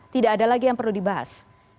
tidak ada lagi yang perlu dibahas